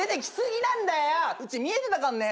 うち見えてたかんね。